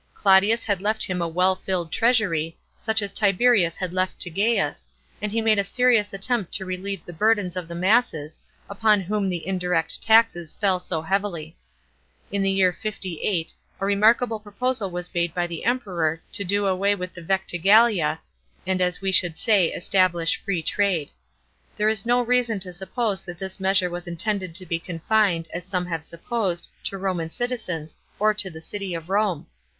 Claudius had left him a well filled treasury, such as Tiberius had left to Gaius, and he made a serious attempt to relieve the burdens of the masses, upon whom the indirect taxes fell so heavily. In the year 58 a remarkable * Probably 5n the Campus Martins. 284 THE PKINCIPATE OF NERO. CHAP, xvn proposal was made by the Emperor to do away with the vectigcdia, and as we should say, establish " free trade." There is no reason to suppose that this measure was intended to be confined, as some have supposed, to Roman citizens, or to the city of Rome.